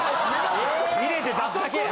入れて出すだけや。